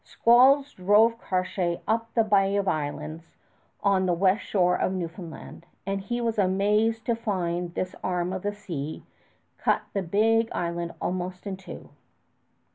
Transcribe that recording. Squalls drove Cartier up the Bay of Islands on the west shore of Newfoundland, and he was amazed to find this arm of the sea cut the big island almost in two.